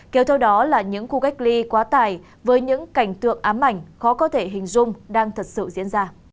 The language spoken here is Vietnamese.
kéo theo đó là những khu cách ly quá tài với những cảnh tượng ám ảnh khó có thể hình dung đang thật sự diễn ra